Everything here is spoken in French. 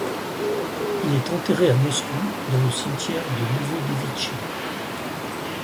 Il est enterré à Moscou dans le cimetière de Novodevitchi.